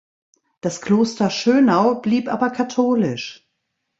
Das Kloster Schönau blieb aber katholisch.